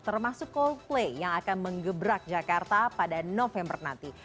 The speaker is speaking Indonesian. termasuk coldplay yang akan mengebrak jakarta pada november nanti